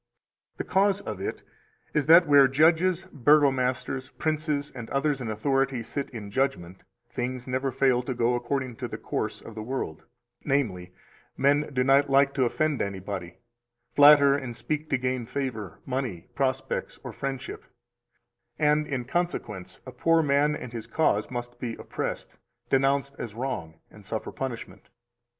The cause of it is that where judges, burgomasters, princes, or others in authority sit in judgment, things never fail to go according to the course of the world; namely, men do not like to offend anybody, flatter, and speak to gain favor, money, prospects, or friendship; and in consequence a poor man and his cause must be oppressed, denounced as wrong, and suffer punishment.